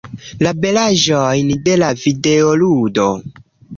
La belaĵojn de la videoludo.